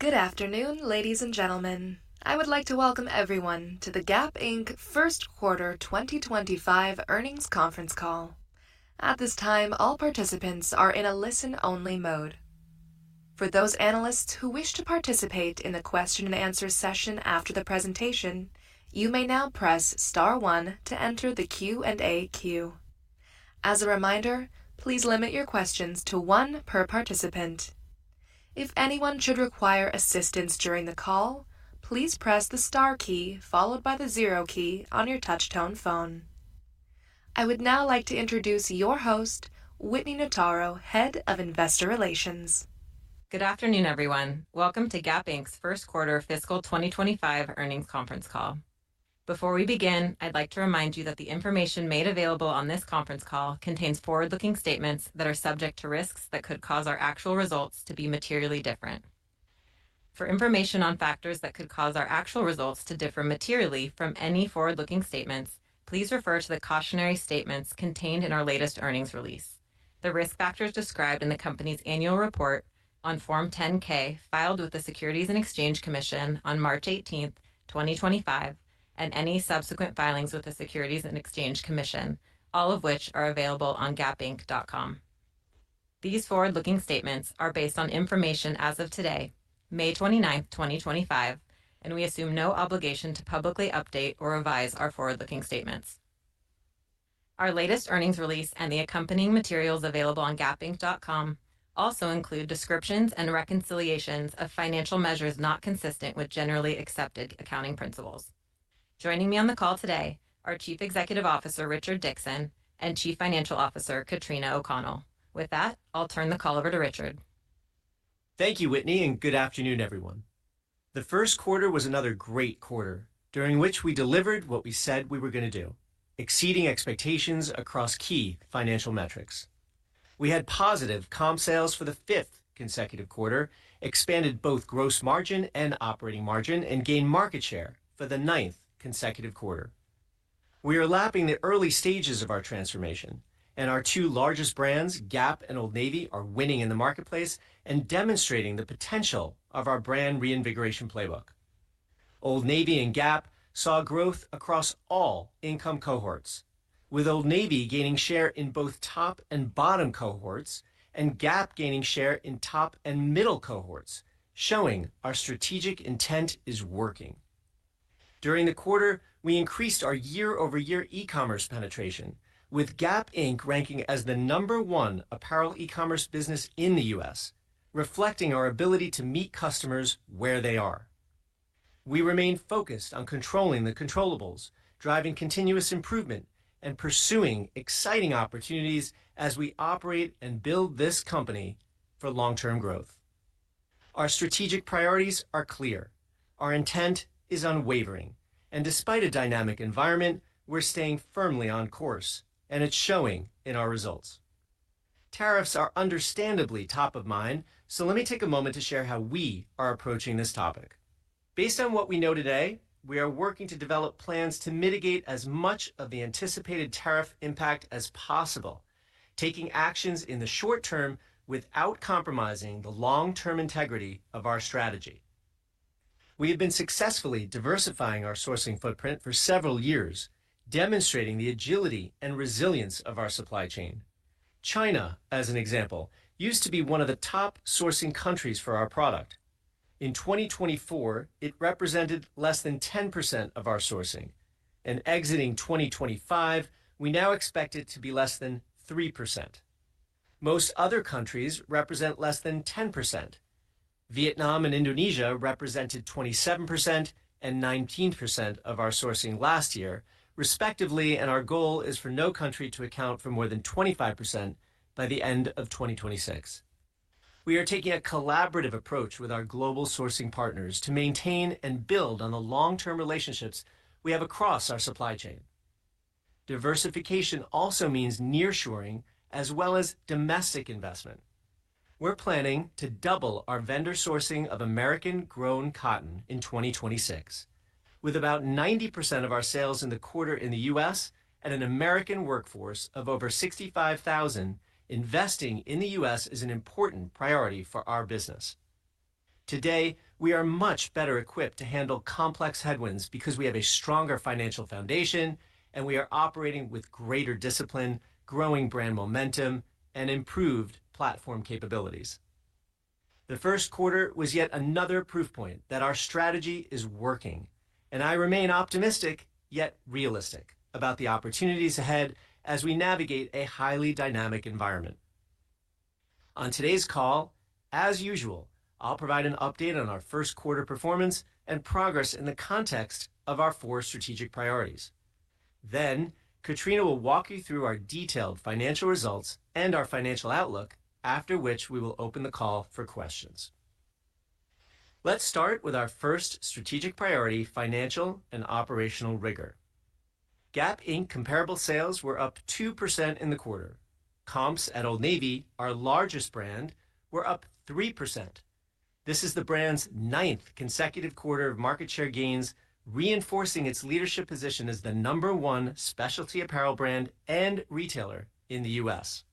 Good afternoon, ladies and gentlemen. I would like to welcome everyone to the Gap First Quarter 2025 earnings conference call. At this time, all participants are in a listen-only mode. For those analysts who wish to participate in the question-and-answer session after the presentation, you may now press star one to enter the Q&A queue. As a reminder, please limit your questions to one per participant. If anyone should require assistance during the call, please press the star key followed by the zero key on your touch-tone phone. I would now like to introduce your host, Whitney Notaro, Head of Investor Relations. Good afternoon, everyone. Welcome to Gap Inc.'s First Quarter Fiscal 2025 earnings conference call. Before we begin, I'd like to remind you that the information made available on this conference call contains forward-looking statements that are subject to risks that could cause our actual results to be materially different. For information on factors that could cause our actual results to differ materially from any forward-looking statements, please refer to the cautionary statements contained in our latest earnings release, the risk factors described in the company's annual report on Form 10-K filed with the Securities and Exchange Commission on March 18th, 2025, and any subsequent filings with the Securities and Exchange Commission, all of which are available on gapinc.com. These forward-looking statements are based on information as of today, May 29th, 2025, and we assume no obligation to publicly update or revise our forward-looking statements. Our latest earnings release and the accompanying materials available on gapinc.com also include descriptions and reconciliations of financial measures not consistent with generally accepted accounting principles. Joining me on the call today are Chief Executive Officer Richard Dickson and Chief Financial Officer Katrina O'Connell. With that, I'll turn the call over to Richard. Thank you, Whitney, and good afternoon, everyone. The first quarter was another great quarter during which we delivered what we said we were going to do, exceeding expectations across key financial metrics. We had positive comp sales for the fifth consecutive quarter, expanded both gross margin and operating margin, and gained market share for the ninth consecutive quarter. We are lapping the early stages of our transformation, and our two largest brands, Gap and Old Navy, are winning in the marketplace and demonstrating the potential of our brand reinvigoration playbook. Old Navy and Gap saw growth across all income cohorts, with Old Navy gaining share in both top and bottom cohorts and Gap gaining share in top and middle cohorts, showing our strategic intent is working. During the quarter, we increased our year-over-year e-commerce penetration, with Gap Inc. Ranking as the number one apparel e-commerce business in the U.S., reflecting our ability to meet customers where they are. We remain focused on controlling the controllables, driving continuous improvement, and pursuing exciting opportunities as we operate and build this company for long-term growth. Our strategic priorities are clear. Our intent is unwavering, and despite a dynamic environment, we're staying firmly on course, and it's showing in our results. Tariffs are understandably top of mind, so let me take a moment to share how we are approaching this topic. Based on what we know today, we are working to develop plans to mitigate as much of the anticipated tariff impact as possible, taking actions in the short term without compromising the long-term integrity of our strategy. We have been successfully diversifying our sourcing footprint for several years, demonstrating the agility and resilience of our supply chain. China, as an example, used to be one of the top sourcing countries for our product. In 2024, it represented less than 10% of our sourcing, and exiting 2025, we now expect it to be less than 3%. Most other countries represent less than 10%. Vietnam and Indonesia represented 27% and 19% of our sourcing last year, respectively, and our goal is for no country to account for more than 25% by the end of 2026. We are taking a collaborative approach with our global sourcing partners to maintain and build on the long-term relationships we have across our supply chain. Diversification also means nearshoring as well as domestic investment. We're planning to double our vendor sourcing of American-grown cotton in 2026, with about 90% of our sales in the quarter in the U.S. and an American workforce of over 65,000 investing in the U.S. is an important priority for our business. Today, we are much better equipped to handle complex headwinds because we have a stronger financial foundation, and we are operating with greater discipline, growing brand momentum, and improved platform capabilities. The first quarter was yet another proof point that our strategy is working, and I remain optimistic yet realistic about the opportunities ahead as we navigate a highly dynamic environment. On today's call, as usual, I'll provide an update on our first quarter performance and progress in the context of our four strategic priorities. Then, Katrina will walk you through our detailed financial results and our financial outlook, after which we will open the call for questions. Let's start with our first strategic priority, financial and operational rigor. Gap comparable sales were up 2% in the quarter. Comps at Old Navy, our largest brand, were up 3%. This is the brand's ninth consecutive quarter of market share gains, reinforcing its leadership position as the number one specialty apparel brand and retailer in the U.S.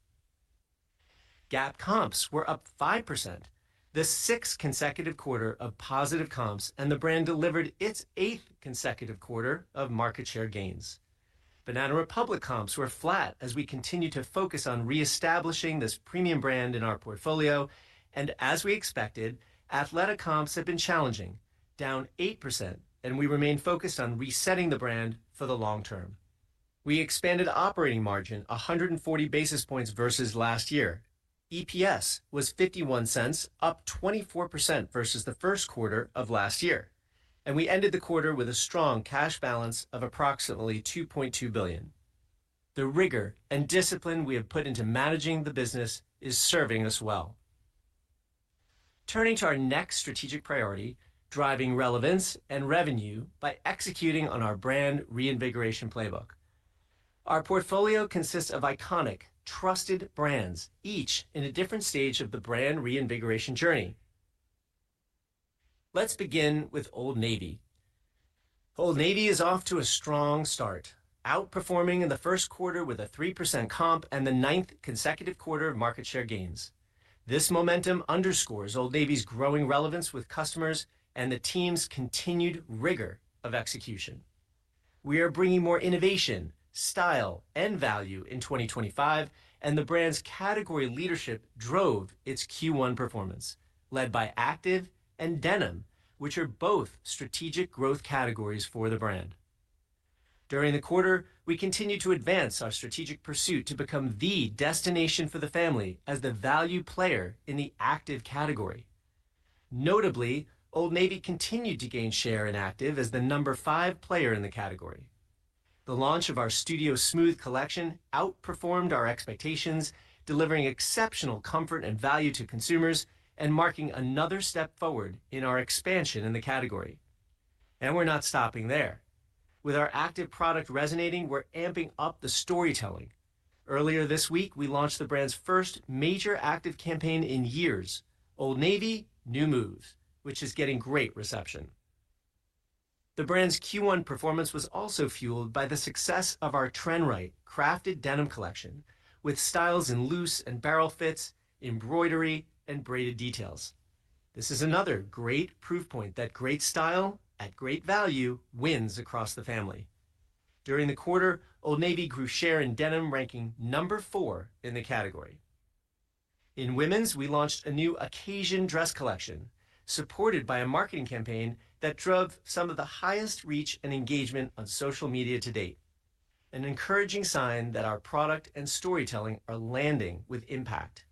Gap comps were up 5%, the sixth consecutive quarter of positive comps, and the brand delivered its eighth consecutive quarter of market share gains. Banana Republic comps were flat as we continue to focus on reestablishing this premium brand in our portfolio, and as we expected, Athleta comps have been challenging, down 8%, and we remain focused on resetting the brand for the long term. We expanded operating margin 140 basis points versus last year. EPS was $0.51, up 24% versus the first quarter of last year, and we ended the quarter with a strong cash balance of approximately $2.2 billion. The rigor and discipline we have put into managing the business is serving us well. Turning to our next strategic priority, driving relevance and revenue by executing on our brand reinvigoration playbook. Our portfolio consists of iconic, trusted brands, each in a different stage of the brand reinvigoration journey. Let's begin with Old Navy. Old Navy is off to a strong start, outperforming in the first quarter with a 3% comp and the ninth consecutive quarter of market share gains. This momentum underscores Old Navy's growing relevance with customers and the team's continued rigor of execution. We are bringing more innovation, style, and value in 2025, and the brand's category leadership drove its Q1 performance, led by Active and Denim, which are both strategic growth categories for the brand. During the quarter, we continue to advance our strategic pursuit to become the destination for the family as the value player in the Active category. Notably, Old Navy continued to gain share in Active as the number five player in the category. The launch of our Studio Smooth collection outperformed our expectations, delivering exceptional comfort and value to consumers and marking another step forward in our expansion in the category. We are not stopping there. With our Active product resonating, we are amping up the storytelling. Earlier this week, we launched the brand's first major Active campaign in years, "Old Navy, New Moves" which is getting great reception. The brand's Q1 performance was also fueled by the success of our trend-right crafted denim collection with styles in loose and barrel fits, embroidery, and braided details. This is another great proof point that great style at great value wins across the family. During the quarter, Old Navy grew share in denim, ranking number four in the category. In women's, we launched a new occasion dress collection supported by a marketing campaign that drove some of the highest reach and engagement on social media to date, an encouraging sign that our product and storytelling are landing with impact.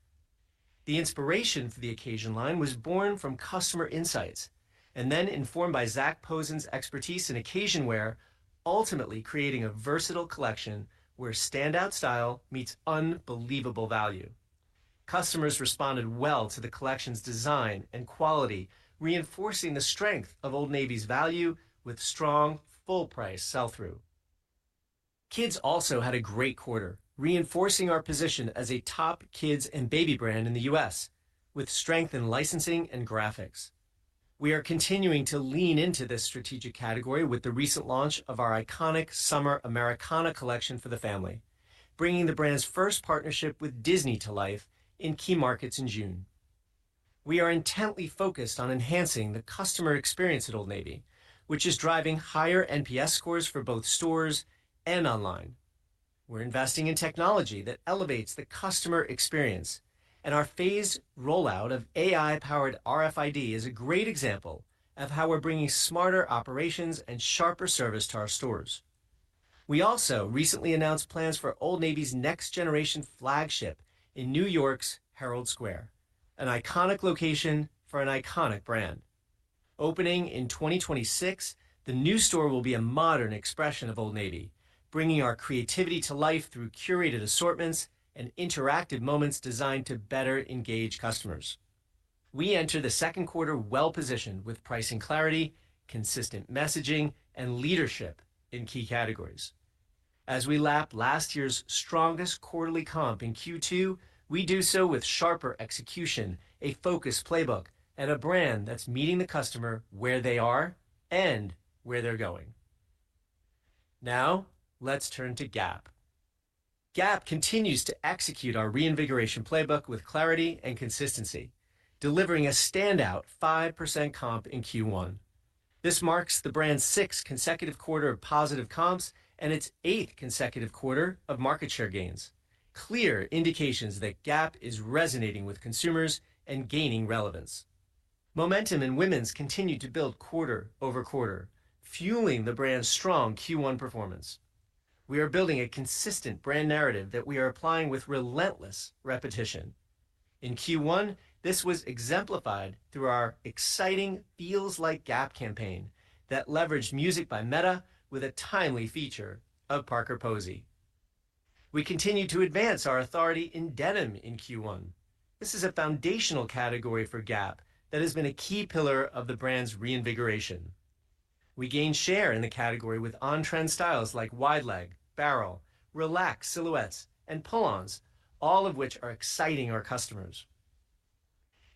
The inspiration for the occasion line was born from customer insights and then informed by Zac Posen's expertise in occasion wear, ultimately creating a versatile collection where standout style meets unbelievable value. Customers responded well to the collection's design and quality, reinforcing the strength of Old Navy's value with strong full-price sell-through. Kids also had a great quarter, reinforcing our position as a top kids and baby brand in the U.S., with strength in licensing and graphics. We are continuing to lean into this strategic category with the recent launch of our iconic summer Americana collection for the family, bringing the brand's first partnership with Disney to life in key markets in June. We are intently focused on enhancing the customer experience at Old Navy, which is driving higher NPS scores for both stores and online. We're investing in technology that elevates the customer experience, and our phased rollout of AI-powered RFID is a great example of how we're bringing smarter operations and sharper service to our stores. We also recently announced plans for Old Navy's next-generation flagship in New York's Herald Square, an iconic location for an iconic brand. Opening in 2026, the new store will be a modern expression of Old Navy, bringing our creativity to life through curated assortments and interactive moments designed to better engage customers. We enter the second quarter well-positioned with pricing clarity, consistent messaging, and leadership in key categories. As we lap last year's strongest quarterly comp in Q2, we do so with sharper execution, a focused playbook, and a brand that's meeting the customer where they are and where they're going. Now, let's turn to Gap. Gap continues to execute our reinvigoration playbook with clarity and consistency, delivering a standout 5% comp in Q1. This marks the brand's sixth consecutive quarter of positive comps and its eighth consecutive quarter of market share gains, clear indications that Gap is resonating with consumers and gaining relevance. Momentum in women's continued to build quarter over quarter, fueling the brand's strong Q1 performance. We are building a consistent brand narrative that we are applying with relentless repetition. In Q1, this was exemplified through our exciting "Feels Like Gap" campaign that leveraged music by Mette with a timely feature of Parker Posey. We continue to advance our authority in denim in Q1. This is a foundational category for Gap that has been a key pillar of the brand's reinvigoration. We gained share in the category with on-trend styles like wide leg, barrel, relaxed silhouettes, and pull-ons, all of which are exciting our customers.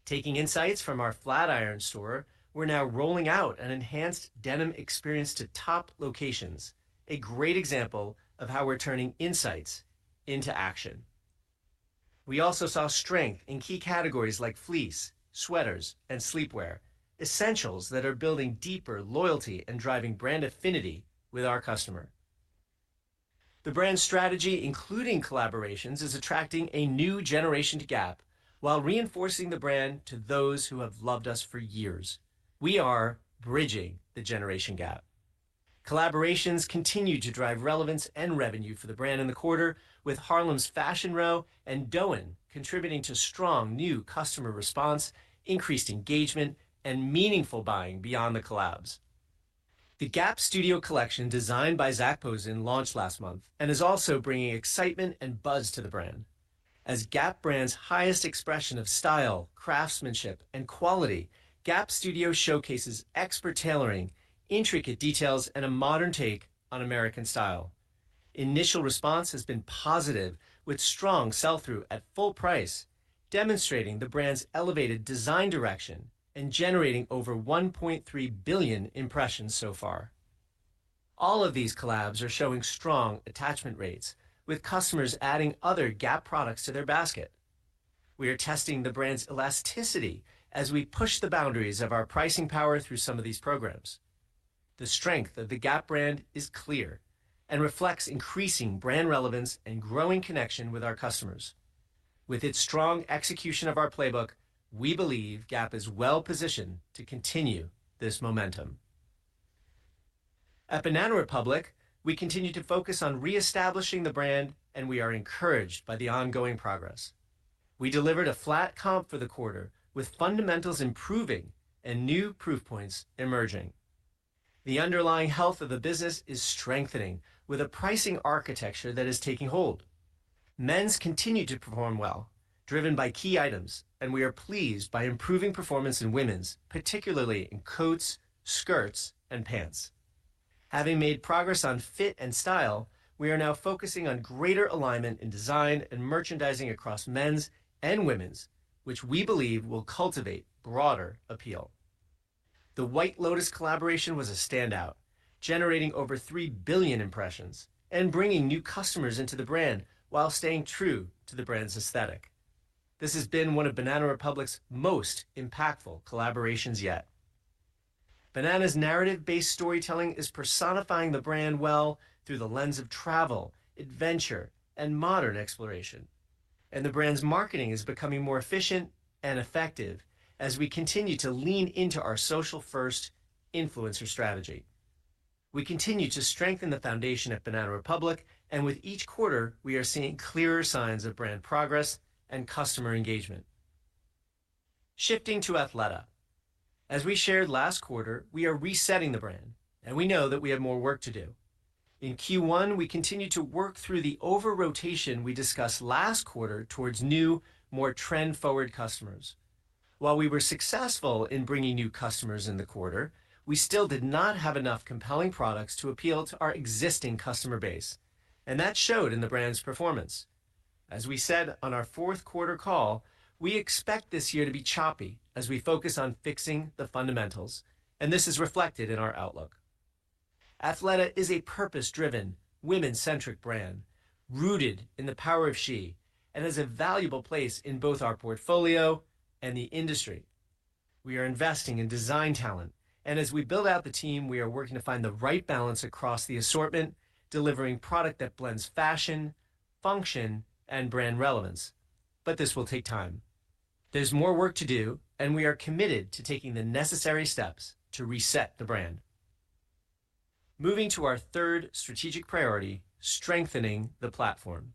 Taking insights from our Flatiron store, we're now rolling out an enhanced denim experience to top locations, a great example of how we're turning insights into action. We also saw strength in key categories like fleece, sweaters, and sleepwear, essentials that are building deeper loyalty and driving brand affinity with our customer. The brand strategy, including collaborations, is attracting a new generation to Gap while reinforcing the brand to those who have loved us for years. We are bridging the generation gap. Collaborations continue to drive relevance and revenue for the brand in the quarter, with Harlem's Fashion Row and Doen contributing to strong new customer response, increased engagement, and meaningful buying beyond the collabs. The Gap Studio collection designed by Zac Posen launched last month and is also bringing excitement and buzz to the brand. As Gap brand's highest expression of style, craftsmanship, and quality, Gap Studio showcases expert tailoring, intricate details, and a modern take on American style. Initial response has been positive, with strong sell-through at full price, demonstrating the brand's elevated design direction and generating over 1.3 billion impressions so far. All of these collabs are showing strong attachment rates, with customers adding other Gap products to their basket. We are testing the brand's elasticity as we push the boundaries of our pricing power through some of these programs. The strength of the Gap brand is clear and reflects increasing brand relevance and growing connection with our customers. With its strong execution of our playbook, we believe Gap is well-positioned to continue this momentum. At Banana Republic, we continue to focus on reestablishing the brand, and we are encouraged by the ongoing progress. We delivered a flat comp for the quarter, with fundamentals improving and new proof points emerging. The underlying health of the business is strengthening with a pricing architecture that is taking hold. Men's continued to perform well, driven by key items, and we are pleased by improving performance in women's, particularly in coats, skirts, and pants. Having made progress on fit and style, we are now focusing on greater alignment in design and merchandising across men's and women's, which we believe will cultivate broader appeal. The White Lotus collaboration was a standout, generating over 3 billion impressions and bringing new customers into the brand while staying true to the brand's aesthetic. This has been one of Banana Republic's most impactful collaborations yet. Banana's narrative-based storytelling is personifying the brand well through the lens of travel, adventure, and modern exploration. The brand's marketing is becoming more efficient and effective as we continue to lean into our social-first influencer strategy. We continue to strengthen the foundation at Banana Republic, and with each quarter, we are seeing clearer signs of brand progress and customer engagement. Shifting to Athleta. As we shared last quarter, we are resetting the brand, and we know that we have more work to do. In Q1, we continue to work through the over-rotation we discussed last quarter towards new, more trend-forward customers. While we were successful in bringing new customers in the quarter, we still did not have enough compelling products to appeal to our existing customer base, and that showed in the brand's performance. As we said on our fourth quarter call, we expect this year to be choppy as we focus on fixing the fundamentals, and this is reflected in our outlook. Athleta is a purpose-driven, women-centric brand rooted in the power of she and has a valuable place in both our portfolio and the industry. We are investing in design talent, and as we build out the team, we are working to find the right balance across the assortment, delivering product that blends fashion, function, and brand relevance. This will take time. There's more work to do, and we are committed to taking the necessary steps to reset the brand. Moving to our third strategic priority, strengthening the platform.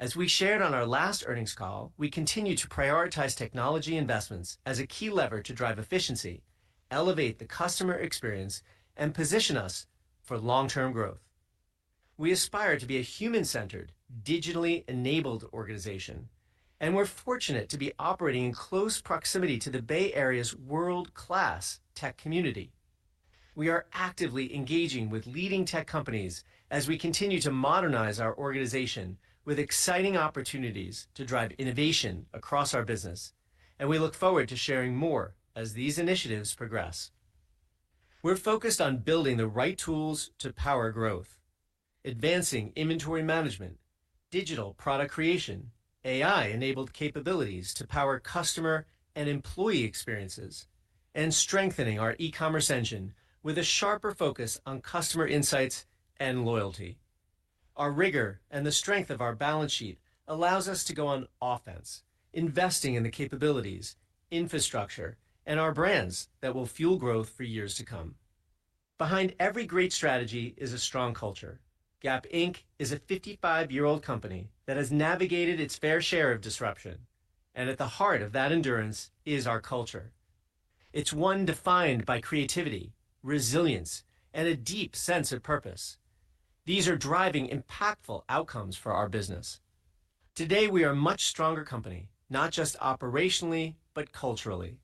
As we shared on our last earnings call, we continue to prioritize technology investments as a key lever to drive efficiency, elevate the customer experience, and position us for long-term growth. We aspire to be a human-centered, digitally enabled organization, and we're fortunate to be operating in close proximity to the Bay Area's world-class tech community. We are actively engaging with leading tech companies as we continue to modernize our organization with exciting opportunities to drive innovation across our business, and we look forward to sharing more as these initiatives progress. We're focused on building the right tools to power growth, advancing inventory management, digital product creation, AI-enabled capabilities to power customer and employee experiences, and strengthening our e-commerce engine with a sharper focus on customer insights and loyalty. Our rigor and the strength of our balance sheet allows us to go on offense, investing in the capabilities, infrastructure, and our brands that will fuel growth for years to come. Behind every great strategy is a strong culture. Gap is a 55-year-old company that has navigated its fair share of disruption, and at the heart of that endurance is our culture. It's one defined by creativity, resilience, and a deep sense of purpose. These are driving impactful outcomes for our business. Today, we are a much stronger company, not just operationally, but culturally.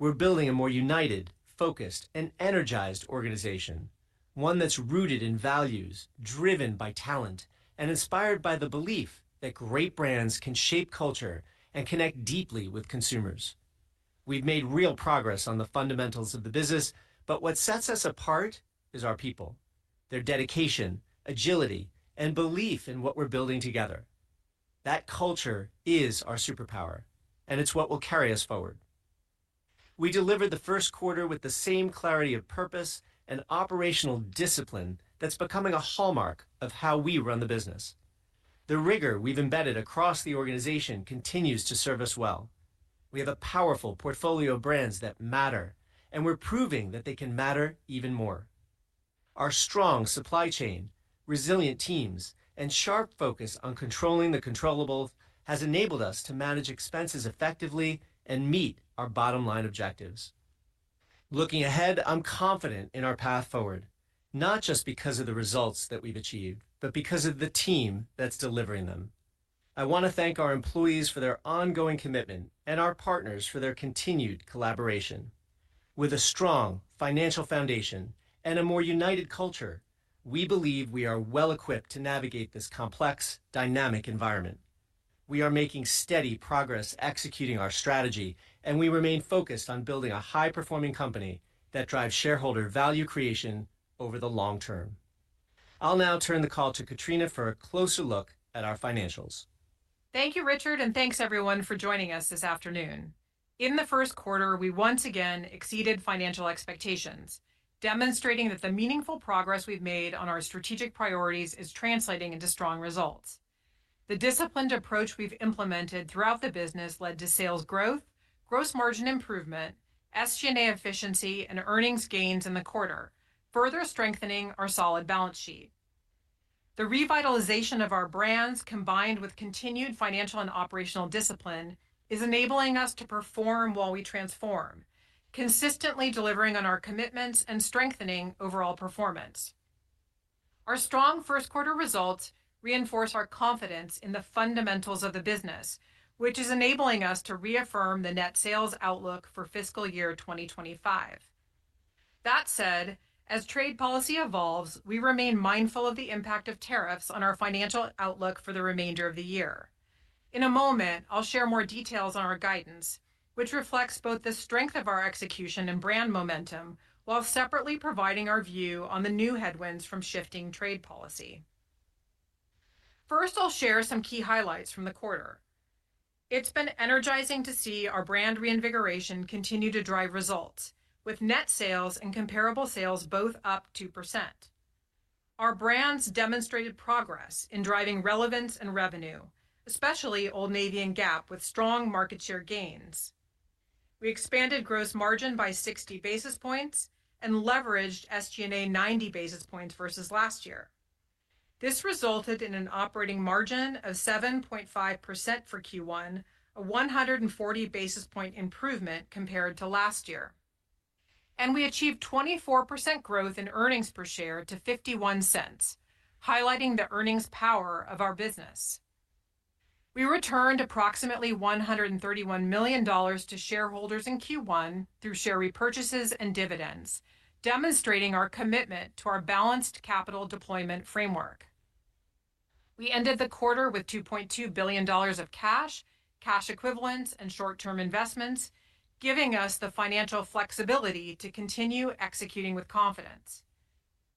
We're building a more united, focused, and energized organization, one that's rooted in values, driven by talent, and inspired by the belief that great brands can shape culture and connect deeply with consumers. We've made real progress on the fundamentals of the business, but what sets us apart is our people, their dedication, agility, and belief in what we're building together. That culture is our superpower, and it's what will carry us forward. We delivered the first quarter with the same clarity of purpose and operational discipline that's becoming a hallmark of how we run the business. The rigor we've embedded across the organization continues to serve us well. We have a powerful portfolio of brands that matter, and we're proving that they can matter even more. Our strong supply chain, resilient teams, and sharp focus on controlling the controllable has enabled us to manage expenses effectively and meet our bottom-line objectives. Looking ahead, I'm confident in our path forward, not just because of the results that we've achieved, but because of the team that's delivering them. I want to thank our employees for their ongoing commitment and our partners for their continued collaboration. With a strong financial foundation and a more united culture, we believe we are well-equipped to navigate this complex, dynamic environment. We are making steady progress executing our strategy, and we remain focused on building a high-performing company that drives shareholder value creation over the long term. I'll now turn the call to Katrina for a closer look at our financials. Thank you, Richard, and thanks, everyone, for joining us this afternoon. In the first quarter, we once again exceeded financial expectations, demonstrating that the meaningful progress we've made on our strategic priorities is translating into strong results. The disciplined approach we've implemented throughout the business led to sales growth, gross margin improvement, SG&A efficiency, and earnings gains in the quarter, further strengthening our solid balance sheet. The revitalization of our brands, combined with continued financial and operational discipline, is enabling us to perform while we transform, consistently delivering on our commitments and strengthening overall performance. Our strong first-quarter results reinforce our confidence in the fundamentals of the business, which is enabling us to reaffirm the net sales outlook for fiscal year 2025. That said, as trade policy evolves, we remain mindful of the impact of tariffs on our financial outlook for the remainder of the year. In a moment, I'll share more details on our guidance, which reflects both the strength of our execution and brand momentum while separately providing our view on the new headwinds from shifting trade policy. First, I'll share some key highlights from the quarter. It's been energizing to see our brand reinvigoration continue to drive results, with net sales and comparable sales both up 2%. Our brands demonstrated progress in driving relevance and revenue, especially Old Navy and Gap, with strong market share gains. We expanded gross margin by 60 basis points and leveraged SG&A 90 basis points versus last year. This resulted in an operating margin of 7.5% for Q1, a 140 basis point improvement compared to last year. We achieved 24% growth in earnings per share to $0.51, highlighting the earnings power of our business. We returned approximately $131 million to shareholders in Q1 through share repurchases and dividends, demonstrating our commitment to our balanced capital deployment framework. We ended the quarter with $2.2 billion of cash, cash equivalents, and short-term investments, giving us the financial flexibility to continue executing with confidence.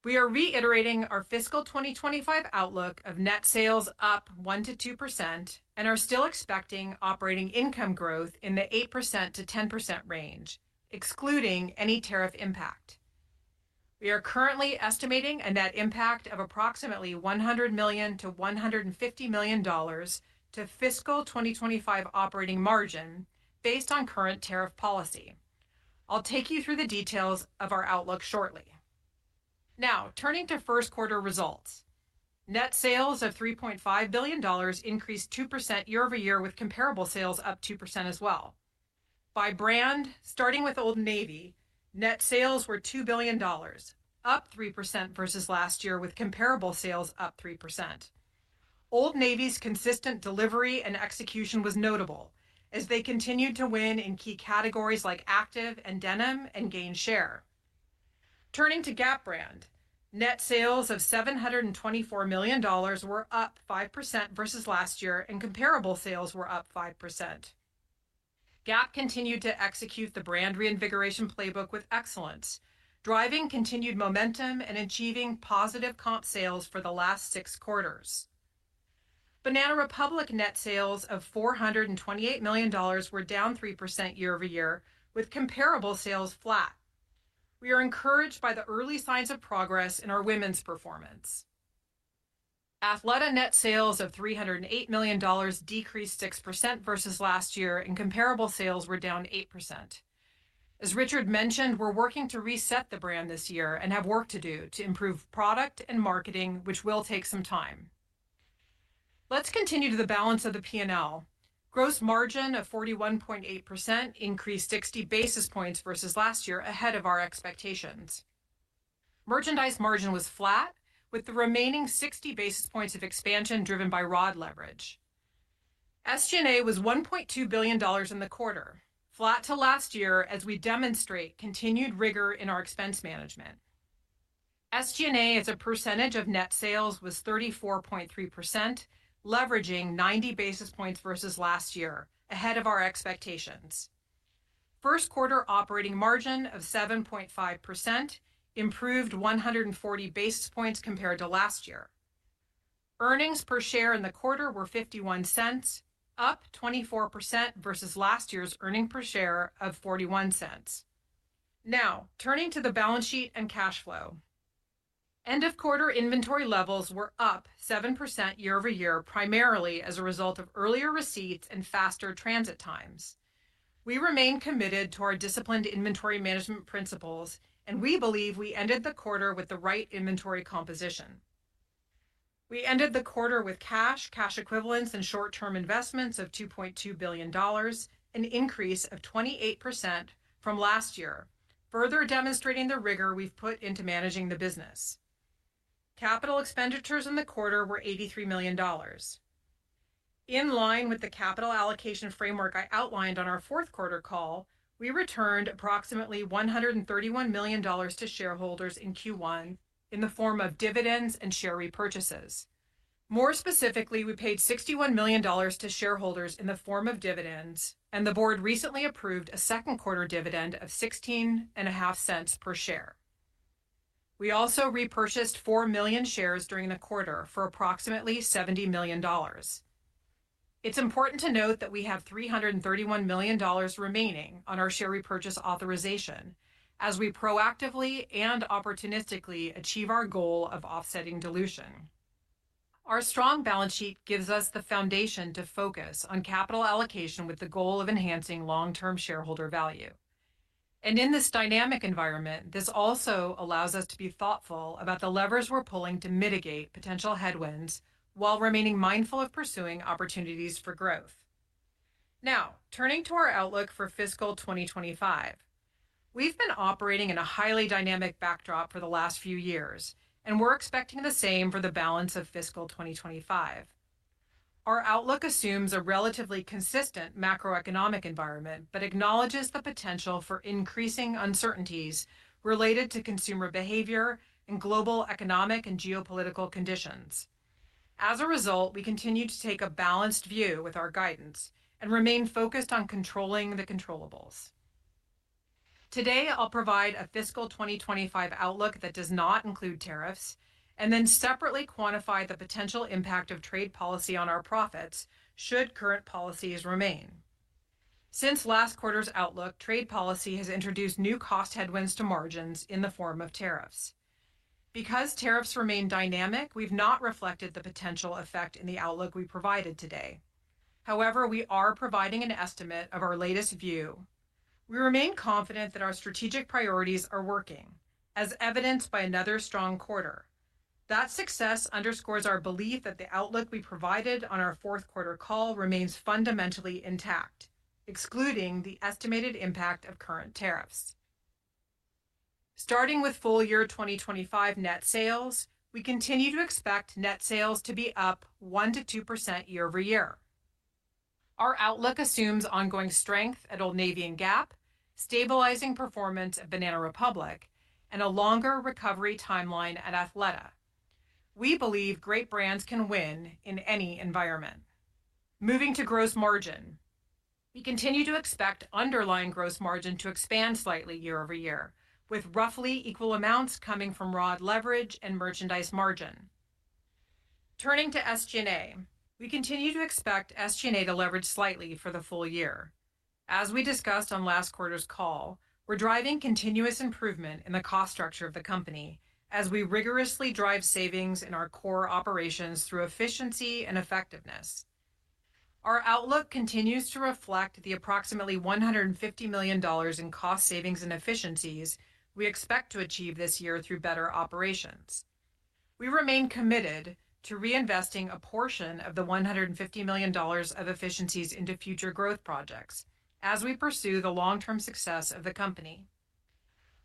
We are reiterating our fiscal 2025 outlook of net sales up 1%-2% and are still expecting operating income growth in the 8%-10% range, excluding any tariff impact. We are currently estimating a net impact of approximately $100 million-$150 million to fiscal 2025 operating margin based on current tariff policy. I'll take you through the details of our outlook shortly. Now, turning to first-quarter results, net sales of $3.5 billion increased 2% year-over-year, with comparable sales up 2% as well. By brand, starting with Old Navy, net sales were $2 billion, up 3% versus last year, with comparable sales up 3%. Old Navy's consistent delivery and execution was notable as they continued to win in key categories like active and denim and gain share. Turning to Gap Brand, net sales of $724 million were up 5% versus last year, and comparable sales were up 5%. Gap continued to execute the brand reinvigoration playbook with excellence, driving continued momentum and achieving positive comp sales for the last six quarters. Banana Republic net sales of $428 million were down 3% year-over-year, with comparable sales flat. We are encouraged by the early signs of progress in our women's performance. Athleta net sales of $308 million decreased 6% versus last year, and comparable sales were down 8%. As Richard mentioned, we're working to reset the brand this year and have work to do to improve product and marketing, which will take some time. Let's continue to the balance of the P&L. Gross margin of 41.8% increased 60 basis points versus last year, ahead of our expectations. Merchandise margin was flat, with the remaining 60 basis points of expansion driven by ROD leverage. SG&A was $1.2 billion in the quarter, flat to last year as we demonstrate continued rigor in our expense management. SG&A's percentage of net sales was 34.3%, leveraging 90 basis points versus last year, ahead of our expectations. First-quarter operating margin of 7.5% improved 140 basis points compared to last year. Earnings per share in the quarter were $0.51, up 24% versus last year's earnings per share of $0.41. Now, turning to the balance sheet and cash flow. End-of-quarter inventory levels were up 7% year-over-year, primarily as a result of earlier receipts and faster transit times. We remain committed to our disciplined inventory management principles, and we believe we ended the quarter with the right inventory composition. We ended the quarter with cash, cash equivalents, and short-term investments of $2.2 billion, an increase of 28% from last year, further demonstrating the rigor we've put into managing the business. Capital expenditures in the quarter were $83 million. In line with the capital allocation framework I outlined on our fourth quarter call, we returned approximately $131 million to shareholders in Q1 in the form of dividends and share repurchases. More specifically, we paid $61 million to shareholders in the form of dividends, and the board recently approved a second-quarter dividend of $0.165 per share. We also repurchased 4 million shares during the quarter for approximately $70 million. It's important to note that we have $331 million remaining on our share repurchase authorization as we proactively and opportunistically achieve our goal of offsetting dilution. Our strong balance sheet gives us the foundation to focus on capital allocation with the goal of enhancing long-term shareholder value. In this dynamic environment, this also allows us to be thoughtful about the levers we're pulling to mitigate potential headwinds while remaining mindful of pursuing opportunities for growth. Now, turning to our outlook for fiscal 2025. We've been operating in a highly dynamic backdrop for the last few years, and we're expecting the same for the balance of fiscal 2025. Our outlook assumes a relatively consistent macroeconomic environment, but acknowledges the potential for increasing uncertainties related to consumer behavior and global economic and geopolitical conditions. As a result, we continue to take a balanced view with our guidance and remain focused on controlling the controllables. Today, I'll provide a fiscal 2025 outlook that does not include tariffs and then separately quantify the potential impact of trade policy on our profits should current policies remain. Since last quarter's outlook, trade policy has introduced new cost headwinds to margins in the form of tariffs. Because tariffs remain dynamic, we've not reflected the potential effect in the outlook we provided today. However, we are providing an estimate of our latest view. We remain confident that our strategic priorities are working, as evidenced by another strong quarter. That success underscores our belief that the outlook we provided on our fourth quarter call remains fundamentally intact, excluding the estimated impact of current tariffs. Starting with full year 2025 net sales, we continue to expect net sales to be up 1%-2% year-over-year. Our outlook assumes ongoing strength at Old Navy and Gap, stabilizing performance at Banana Republic, and a longer recovery timeline at Athleta. We believe great brands can win in any environment. Moving to gross margin, we continue to expect underlying gross margin to expand slightly year-over-year, with roughly equal amounts coming from ROD leverage and merchandise margin. Turning to SG&A, we continue to expect SG&A to leverage slightly for the full year. As we discussed on last quarter's call, we're driving continuous improvement in the cost structure of the company as we rigorously drive savings in our core operations through efficiency and effectiveness. Our outlook continues to reflect the approximately $150 million in cost savings and efficiencies we expect to achieve this year through better operations. We remain committed to reinvesting a portion of the $150 million of efficiencies into future growth projects as we pursue the long-term success of the company.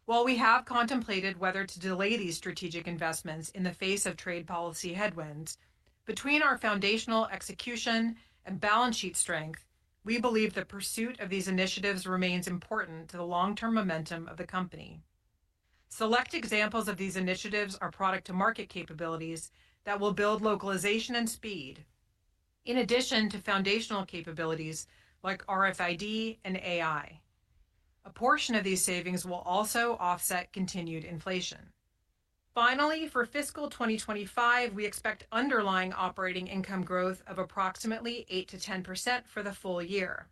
While we have contemplated whether to delay these strategic investments in the face of trade policy headwinds, between our foundational execution and balance sheet strength, we believe the pursuit of these initiatives remains important to the long-term momentum of the company. Select examples of these initiatives are product-to-market capabilities that will build localization and speed, in addition to foundational capabilities like RFID and AI. A portion of these savings will also offset continued inflation. Finally, for fiscal 2025, we expect underlying operating income growth of approximately 8-10% for the full year.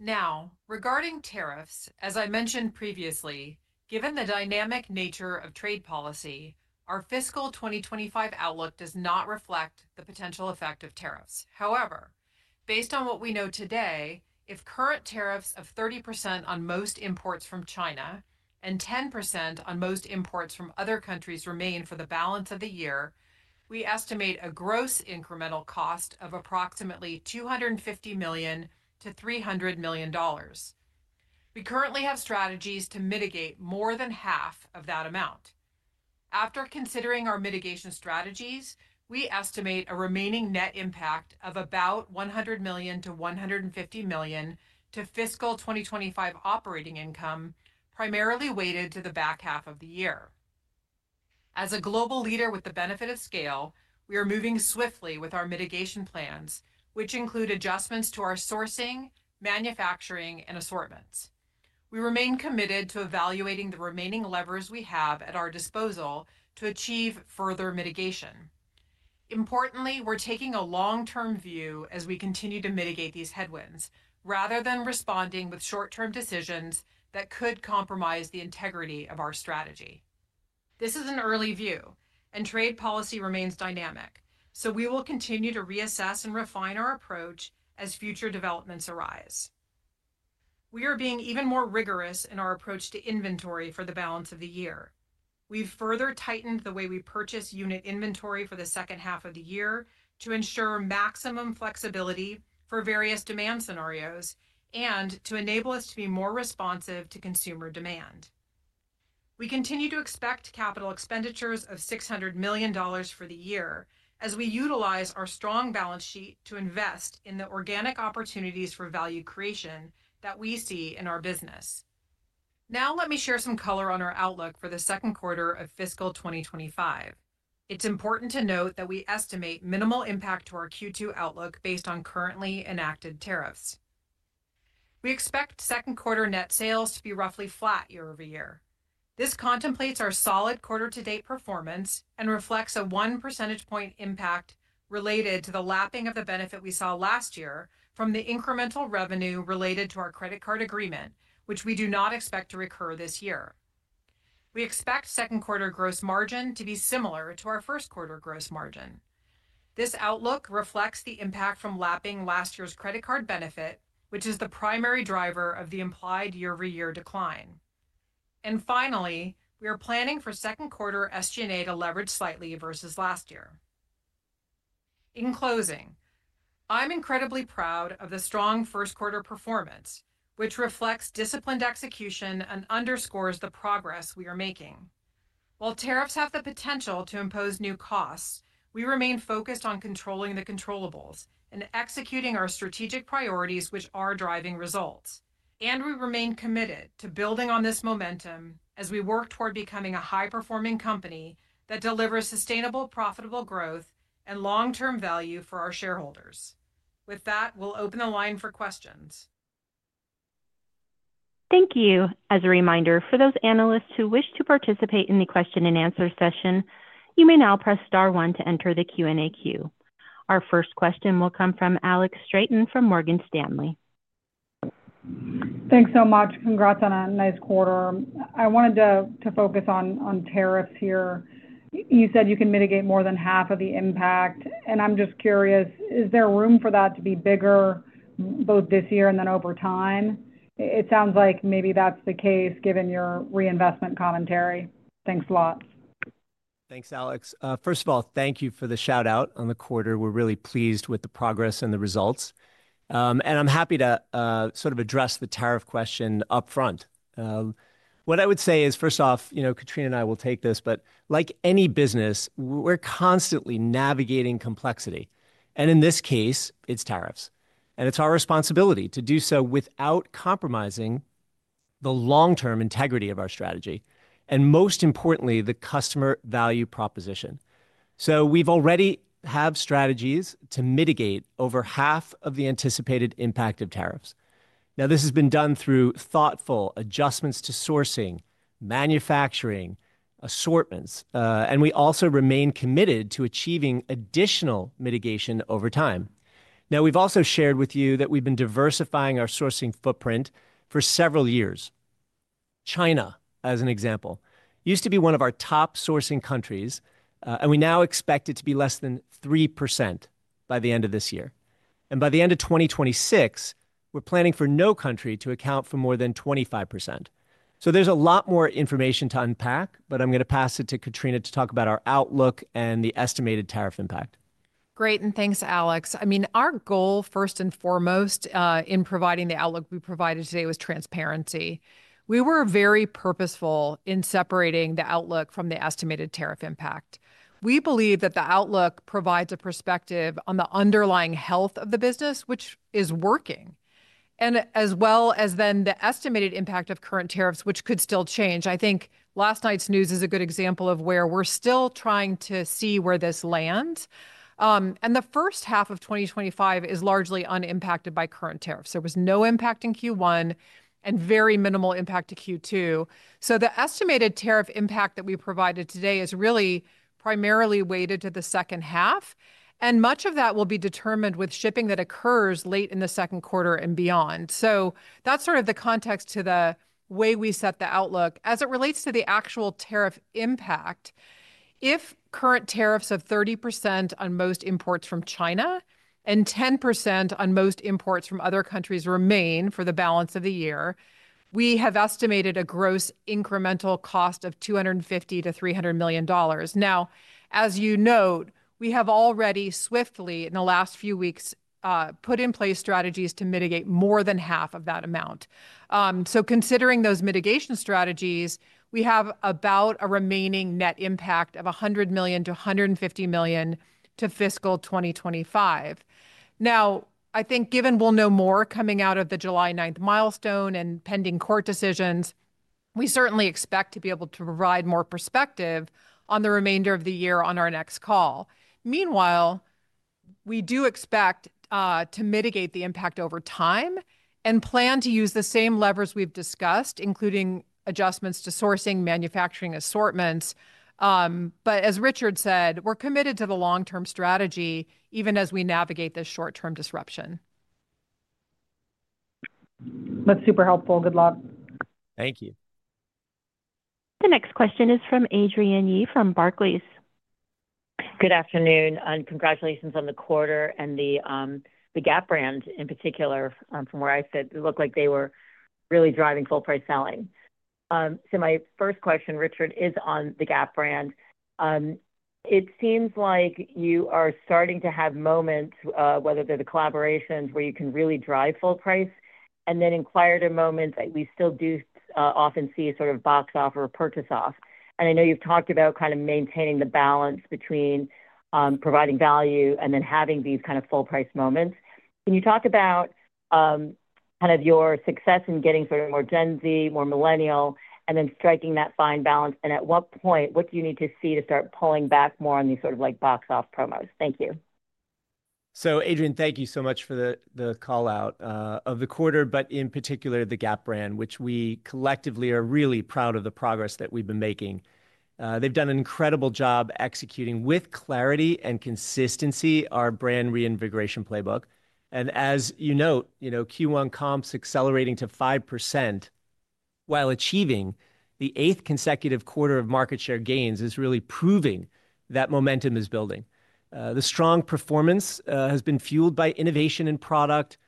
Now, regarding tariffs, as I mentioned previously, given the dynamic nature of trade policy, our fiscal 2025 outlook does not reflect the potential effect of tariffs. However, based on what we know today, if current tariffs of 30% on most imports from China and 10% on most imports from other countries remain for the balance of the year, we estimate a gross incremental cost of approximately $250 million-$300 million. We currently have strategies to mitigate more than half of that amount. After considering our mitigation strategies, we estimate a remaining net impact of about $100 million-$150 million to fiscal 2025 operating income, primarily weighted to the back half of the year. As a global leader with the benefit of scale, we are moving swiftly with our mitigation plans, which include adjustments to our sourcing, manufacturing, and assortments. We remain committed to evaluating the remaining levers we have at our disposal to achieve further mitigation. Importantly, we're taking a long-term view as we continue to mitigate these headwinds rather than responding with short-term decisions that could compromise the integrity of our strategy. This is an early view, and trade policy remains dynamic, so we will continue to reassess and refine our approach as future developments arise. We are being even more rigorous in our approach to inventory for the balance of the year. We've further tightened the way we purchase unit inventory for the second half of the year to ensure maximum flexibility for various demand scenarios and to enable us to be more responsive to consumer demand. We continue to expect capital expenditures of $600 million for the year as we utilize our strong balance sheet to invest in the organic opportunities for value creation that we see in our business. Now, let me share some color on our outlook for the second quarter of fiscal 2025. It's important to note that we estimate minimal impact to our Q2 outlook based on currently enacted tariffs. We expect second quarter net sales to be roughly flat year-over-year. This contemplates our solid quarter-to-date performance and reflects a 1 percentage point impact related to the lapping of the benefit we saw last year from the incremental revenue related to our credit card agreement, which we do not expect to recur this year. We expect second quarter gross margin to be similar to our first quarter gross margin. This outlook reflects the impact from lapping last year's credit card benefit, which is the primary driver of the implied year-over-year decline. Finally, we are planning for second quarter SG&A to leverage slightly versus last year. In closing, I'm incredibly proud of the strong first quarter performance, which reflects disciplined execution and underscores the progress we are making. While tariffs have the potential to impose new costs, we remain focused on controlling the controllables and executing our strategic priorities, which are driving results. We remain committed to building on this momentum as we work toward becoming a high-performing company that delivers sustainable, profitable growth and long-term value for our shareholders. With that, we'll open the line for questions. Thank you. As a reminder, for those analysts who wish to participate in the question-and-answer session, you may now press star one to enter the Q&A queue. Our first question will come from Alex Straton from Morgan Stanley. Thanks so much. Congrats on a nice quarter. I wanted to focus on tariffs here. You said you can mitigate more than half of the impact, and I'm just curious, is there room for that to be bigger both this year and then over time? It sounds like maybe that's the case given your reinvestment commentary. Thanks a lot. Thanks, Alex. First of all, thank you for the shout-out on the quarter. We're really pleased with the progress and the results. I'm happy to sort of address the tariff question upfront. What I would say is, first off, Katrina and I will take this, but like any business, we're constantly navigating complexity. In this case, it's tariffs. It's our responsibility to do so without compromising the long-term integrity of our strategy and, most importantly, the customer value proposition. We've already had strategies to mitigate over half of the anticipated impact of tariffs. Now, this has been done through thoughtful adjustments to sourcing, manufacturing, assortments, and we also remain committed to achieving additional mitigation over time. We've also shared with you that we've been diversifying our sourcing footprint for several years. China, as an example, used to be one of our top sourcing countries, and we now expect it to be less than 3% by the end of this year. By the end of 2026, we're planning for no country to account for more than 25%. There's a lot more information to unpack, but I'm going to pass it to Katrina to talk about our outlook and the estimated tariff impact. Great, and thanks, Alex. I mean, our goal, first and foremost, in providing the outlook we provided today was transparency. We were very purposeful in separating the outlook from the estimated tariff impact. We believe that the outlook provides a perspective on the underlying health of the business, which is working, as well as the estimated impact of current tariffs, which could still change. I think last night's news is a good example of where we're still trying to see where this lands. The first half of 2025 is largely unimpacted by current tariffs. There was no impact in Q1 and very minimal impact to Q2. The estimated tariff impact that we provided today is really primarily weighted to the second half, and much of that will be determined with shipping that occurs late in the second quarter and beyond. That is sort of the context to the way we set the outlook. As it relates to the actual tariff impact, if current tariffs of 30% on most imports from China and 10% on most imports from other countries remain for the balance of the year, we have estimated a gross incremental cost of $250 million-$300 million. Now, as you note, we have already swiftly, in the last few weeks, put in place strategies to mitigate more than half of that amount. Considering those mitigation strategies, we have about a remaining net impact of $100 million-$150 million to fiscal 2025. I think given we'll know more coming out of the July 9th milestone and pending court decisions, we certainly expect to be able to provide more perspective on the remainder of the year on our next call. Meanwhile, we do expect to mitigate the impact over time and plan to use the same levers we've discussed, including adjustments to sourcing, manufacturing, assortments. As Richard said, we're committed to the long-term strategy even as we navigate this short-term disruption. That's super helpful. Good luck. Thank you. The next question is from Adrienne Yih from Barclays. Good afternoon, and congratulations on the quarter and the Gap brand in particular, from where I sit. It looked like they were really driving full-price selling. My first question, Richard, is on the Gap brand. It seems like you are starting to have moments, whether they're the collaborations where you can really drive full price, and then in quieter moments, we still do often see sort of box off or purchase off. I know you've talked about kind of maintaining the balance between providing value and then having these kind of full-price moments. Can you talk about kind of your success in getting sort of more Gen Z, more millennial, and then striking that fine balance? At what point, what do you need to see to start pulling back more on these sort of box off promos? Thank you. Adrienne, thank you so much for the call-out of the quarter, but in particular, the Gap brand, which we collectively are really proud of the progress that we've been making. They've done an incredible job executing with clarity and consistency our brand reinvigoration playbook. As you note, Q1 comps accelerating to 5% while achieving the eighth consecutive quarter of market share gains is really proving that momentum is building. The strong performance has been fueled by innovation in product,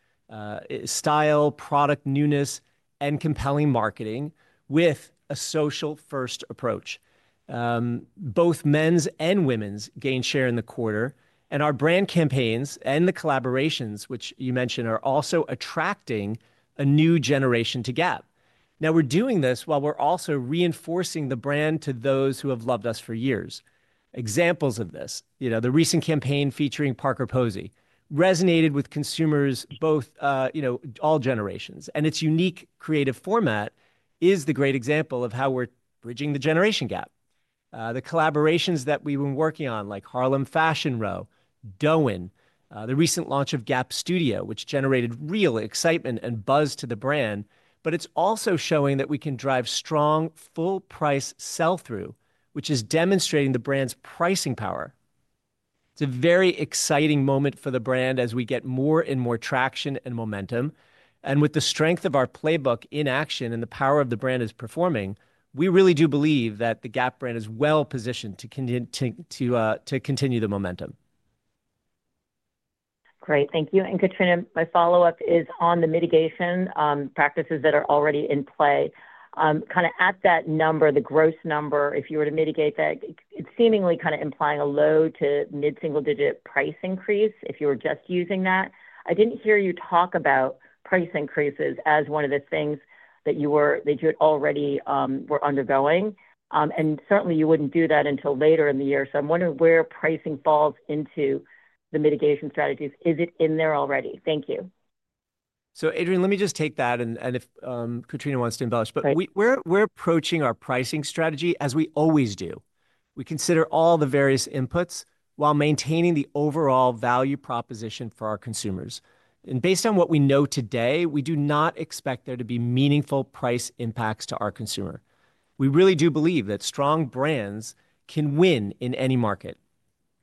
style, product newness, and compelling marketing with a social-first approach. Both men's and women's gained share in the quarter, and our brand campaigns and the collaborations, which you mentioned, are also attracting a new generation to Gap. Now, we're doing this while we're also reinforcing the brand to those who have loved us for years. Examples of this, the recent campaign featuring Parker Posey, resonated with consumers of all generations. Its unique creative format is a great example of how we're bridging the generation gap. The collaborations that we've been working on, like Harlem's Fashion Row, Doen, the recent launch of Gap Studio, have generated real excitement and buzz for the brand, but it's also showing that we can drive strong full-price sell-through, which is demonstrating the brand's pricing power. It's a very exciting moment for the brand as we get more and more traction and momentum. With the strength of our playbook in action and the power of the brand as performing, we really do believe that the Gap brand is well positioned to continue the momentum. Great, thank you. Katrina, my follow-up is on the mitigation practices that are already in play. Kind of at that number, the gross number, if you were to mitigate that, it's seemingly kind of implying a low to mid-single-digit price increase if you were just using that. I didn't hear you talk about price increases as one of the things that you had already were undergoing. Certainly, you wouldn't do that until later in the year. I'm wondering where pricing falls into the mitigation strategies. Is it in there already? Thank you. Adrienne, let me just take that, and if Katrina wants to embellish. We are approaching our pricing strategy as we always do. We consider all the various inputs while maintaining the overall value proposition for our consumers. Based on what we know today, we do not expect there to be meaningful price impacts to our consumer. We really do believe that strong brands can win in any market.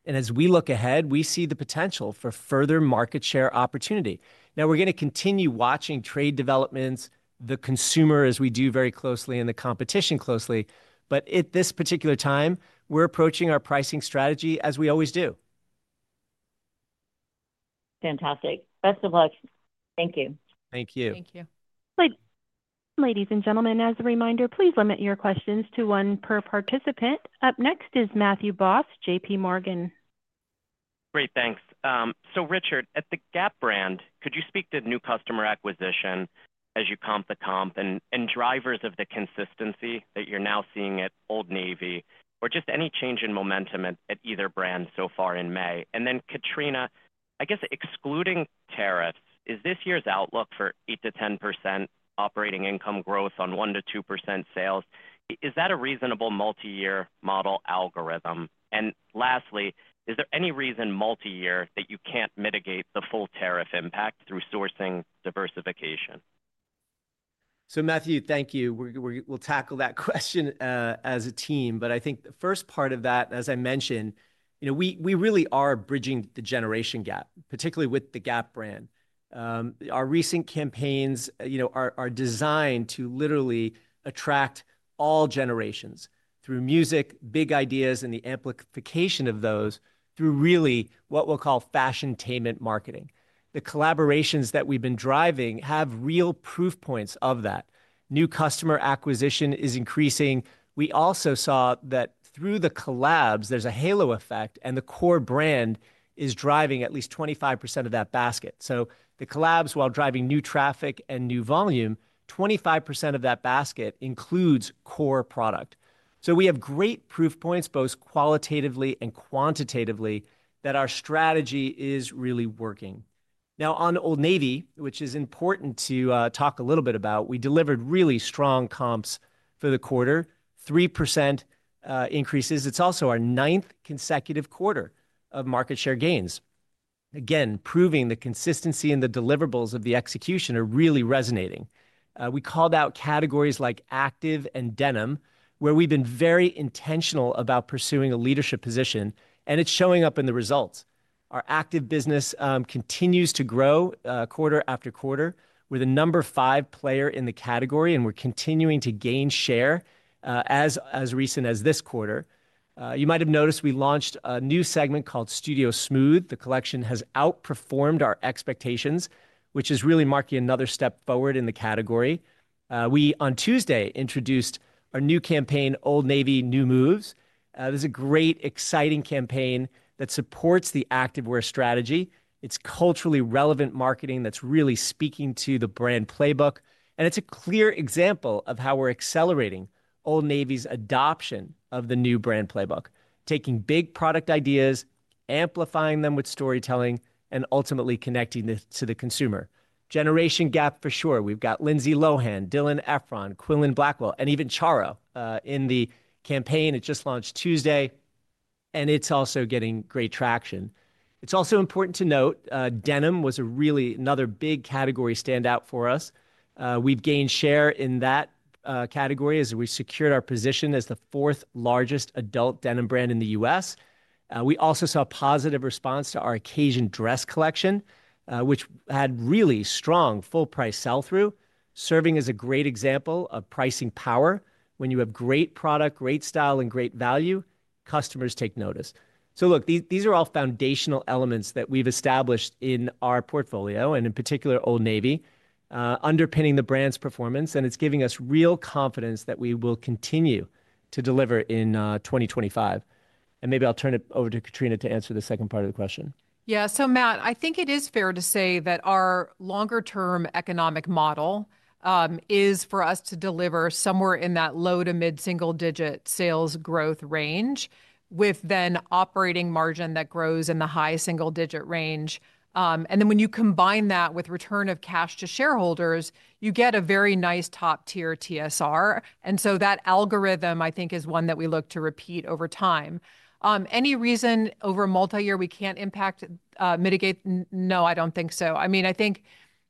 As we look ahead, we see the potential for further market share opportunity. We are going to continue watching trade developments, the consumer, as we do very closely, and the competition closely. At this particular time, we are approaching our pricing strategy as we always do. Fantastic. Best of luck. Thank you. Thank you. Thank you. Ladies and gentlemen, as a reminder, please limit your questions to one per participant. Up next is Matthew Boss, JPMorgan. Great, thanks. Richard, at the Gap brand, could you speak to new customer acquisition as you comp the comp and drivers of the consistency that you're now seeing at Old Navy, or just any change in momentum at either brand so far in May? Katrina, I guess excluding tariffs, is this year's outlook for 8%-10% operating income growth on 1%-2% sales? Is that a reasonable multi-year model algorithm? Lastly, is there any reason multi-year that you can't mitigate the full tariff impact through sourcing diversification? Matthew, thank you. We'll tackle that question as a team. I think the first part of that, as I mentioned, we really are bridging the generation gap, particularly with the Gap brand. Our recent campaigns are designed to literally attract all generations through music, big ideas, and the amplification of those through really what we'll call fashiontainment marketing. The collaborations that we've been driving have real proof points of that. New customer acquisition is increasing. We also saw that through the collabs, there's a halo effect, and the core brand is driving at least 25% of that basket. So the collabs, while driving new traffic and new volume, 25% of that basket includes core product. We have great proof points both qualitatively and quantitatively that our strategy is really working. Now, on Old Navy, which is important to talk a little bit about, we delivered really strong comps for the quarter, 3% increases. It's also our ninth consecutive quarter of market share gains. Again, proving the consistency in the deliverables of the execution are really resonating. We called out categories like active and denim, where we've been very intentional about pursuing a leadership position, and it's showing up in the results. Our active business continues to grow quarter after quarter. We're the number five player in the category, and we're continuing to gain share as recent as this quarter. You might have noticed we launched a new segment called Studio Smooth. The collection has outperformed our expectations, which is really marking another step forward in the category. We, on Tuesday, introduced our new campaign, Old Navy New Moves. It is a great, exciting campaign that supports the active wear strategy. It's culturally relevant marketing that's really speaking to the brand playbook. It is a clear example of how we're accelerating Old Navy's adoption of the new brand playbook, taking big product ideas, amplifying them with storytelling, and ultimately connecting to the consumer. Generation Gap, for sure. We've got Lindsay Lohan, Dylan Efron, Quenlin Blackwell, and even Charo in the campaign. It just launched Tuesday, and it's also getting great traction. It's also important to note denim was really another big category standout for us. We've gained share in that category as we secured our position as the fourth largest adult denim brand in the U.S. We also saw a positive response to our occasion dress collection, which had really strong full-price sell-through, serving as a great example of pricing power. When you have great product, great style, and great value, customers take notice. Look, these are all foundational elements that we've established in our portfolio, and in particular, Old Navy, underpinning the brand's performance, and it's giving us real confidence that we will continue to deliver in 2025. Maybe I'll turn it over to Katrina to answer the second part of the question. Yeah, so Matt, I think it is fair to say that our longer-term economic model is for us to deliver somewhere in that low to mid-single-digit sales growth range, with then operating margin that grows in the high single-digit range. When you combine that with return of cash to shareholders, you get a very nice top-tier TSR. That algorithm, I think, is one that we look to repeat over time. Any reason over a multi-year we can't mitigate? No, I don't think so. I mean, I think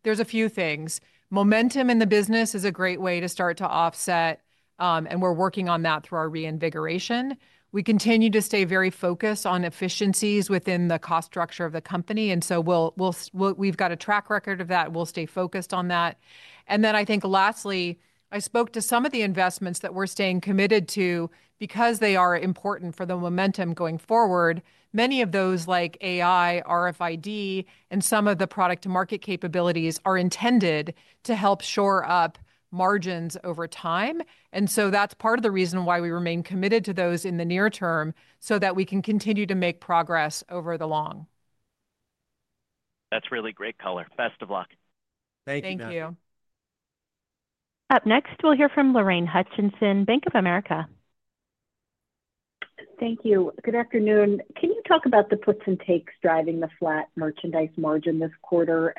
there's a few things. Momentum in the business is a great way to start to offset, and we're working on that through our reinvigoration. We continue to stay very focused on efficiencies within the cost structure of the company. We've got a track record of that. We'll stay focused on that. I think lastly, I spoke to some of the investments that we're staying committed to because they are important for the momentum going forward. Many of those, like AI, RFID, and some of the product-to-market capabilities, are intended to help shore up margins over time. That's part of the reason why we remain committed to those in the near term so that we can continue to make progress over the long. That's really great color. Best of luck. Thank you. Thank you. Up next, we'll hear from Lorraine Hutchinson, Bank of America. Thank you. Good afternoon. Can you talk about the puts and takes driving the flat merchandise margin this quarter?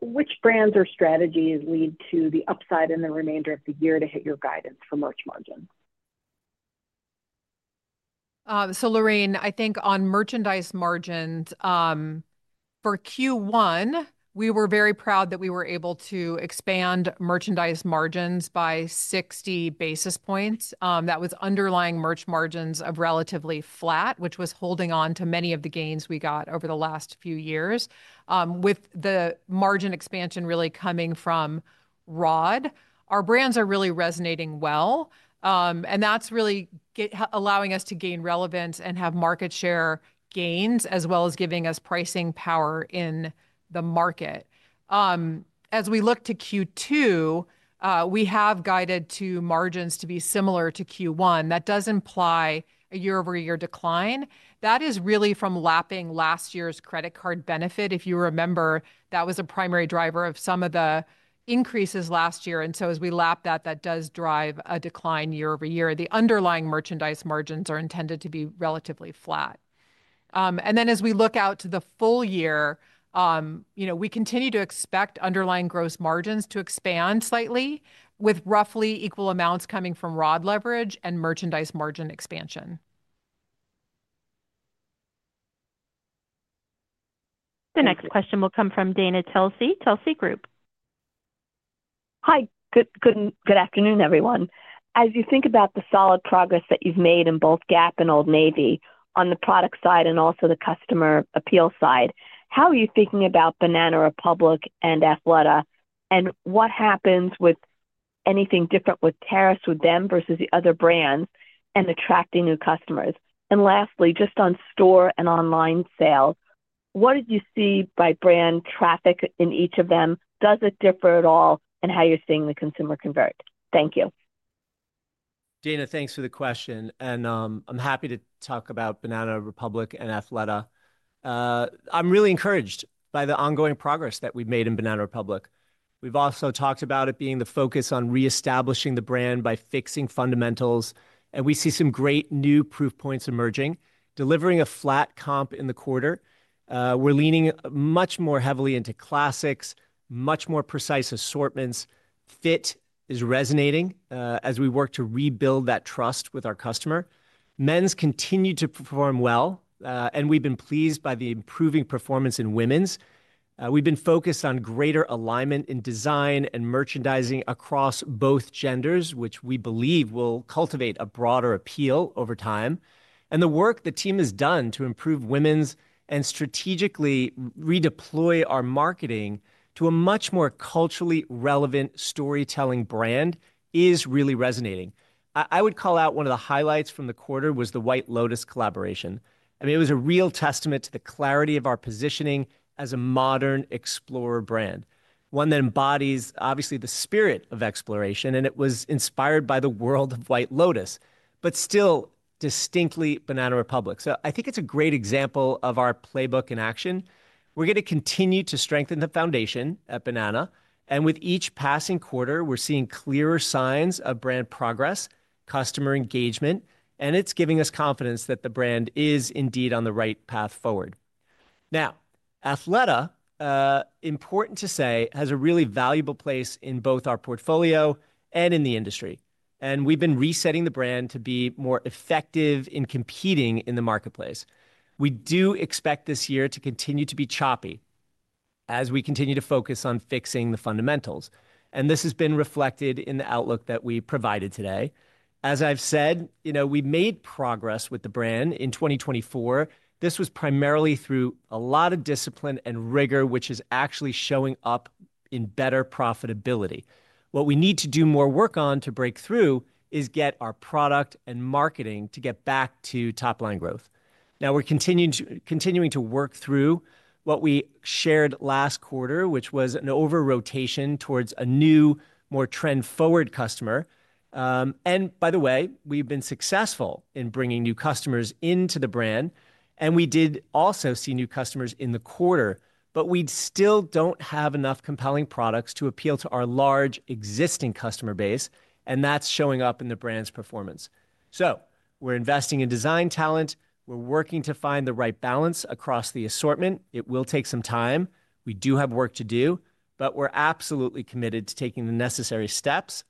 Which brands or strategies lead to the upside in the remainder of the year to hit your guidance for merch margin? Lorraine, I think on merchandise margins, for Q1, we were very proud that we were able to expand merchandise margins by 60 basis points. That was underlying merch margins of relatively flat, which was holding on to many of the gains we got over the last few years. The margin expansion really came from ROD. Our brands are really resonating well. That is really allowing us to gain relevance and have market share gains as well as giving us pricing power in the market. As we look to Q2, we have guided to margins to be similar to Q1. That does imply a year-over-year decline. That is really from lapping last year's credit card benefit. If you remember, that was a primary driver of some of the increases last year. As we lap that, that does drive a decline year-over-year. The underlying merchandise margins are intended to be relatively flat. As we look out to the full year, we continue to expect underlying gross margins to expand slightly, with roughly equal amounts coming from ROD leverage and merchandise margin expansion. The next question will come from Dana Telsey, Telsey Advisory Group. Hi, good afternoon, everyone. As you think about the solid progress that you've made in both Gap and Old Navy on the product side and also the customer appeal side, how are you thinking about Banana Republic and Athleta? What happens with anything different with tariffs with them versus the other brands and attracting new customers? Lastly, just on store and online sales, what did you see by brand traffic in each of them? Does it differ at all in how you're seeing the consumer convert? Thank you. Dana, thanks for the question. I'm happy to talk about Banana Republic and Athleta. I'm really encouraged by the ongoing progress that we've made in Banana Republic. We've also talked about it being the focus on reestablishing the brand by fixing fundamentals. We see some great new proof points emerging. Delivering a flat comp in the quarter, we're leaning much more heavily into classics, much more precise assortments. Fit is resonating as we work to rebuild that trust with our customer. Men's continue to perform well, and we've been pleased by the improving performance in women's. We've been focused on greater alignment in design and merchandising across both genders, which we believe will cultivate a broader appeal over time. The work the team has done to improve women's and strategically redeploy our marketing to a much more culturally relevant storytelling brand is really resonating. I would call out one of the highlights from the quarter was the White Lotus collaboration. I mean, it was a real testament to the clarity of our positioning as a modern explorer brand, one that embodies, obviously, the spirit of exploration. It was inspired by the world of White Lotus, but still distinctly Banana Republic. I think it's a great example of our playbook in action. We are going to continue to strengthen the foundation at Banana. With each passing quarter, we are seeing clearer signs of brand progress, customer engagement, and it's giving us confidence that the brand is indeed on the right path forward. Now, Athleta, important to say, has a really valuable place in both our portfolio and in the industry. We have been resetting the brand to be more effective in competing in the marketplace. We do expect this year to continue to be choppy as we continue to focus on fixing the fundamentals. This has been reflected in the outlook that we provided today. As I've said, we've made progress with the brand in 2024. This was primarily through a lot of discipline and rigor, which is actually showing up in better profitability. What we need to do more work on to break through is get our product and marketing to get back to top-line growth. We are continuing to work through what we shared last quarter, which was an over-rotation towards a new, more trend-forward customer. By the way, we've been successful in bringing new customers into the brand. We did also see new customers in the quarter, but we still do not have enough compelling products to appeal to our large existing customer base. That is showing up in the brand's performance. We are investing in design talent. We are working to find the right balance across the assortment. It will take some time. We do have work to do, but we are absolutely committed to taking the necessary steps